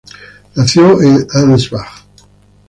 Nació de Ansbach.